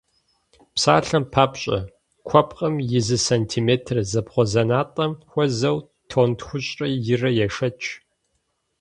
Псалъэм папщӏэ, куэпкъым и зы сантиметр зэбгъузэнатӏэм хуэзэу тонн тхущӏрэ ирэ ешэч!